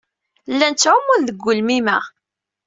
Llan ttɛumun deg ugelmim-a.